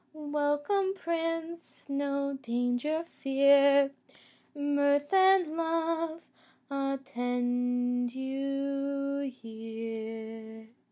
Welcome, prince, no danger fear, Mirth and love attend you here."